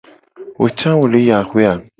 Wo ca wo le yi axue a ?